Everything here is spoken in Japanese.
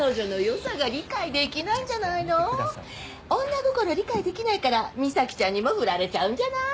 女心理解できないから美咲ちゃんにもフラれちゃうんじゃない？